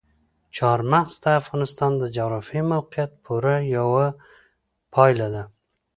چار مغز د افغانستان د جغرافیایي موقیعت پوره یوه پایله ده.